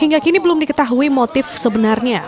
hingga kini belum diketahui motif sebenarnya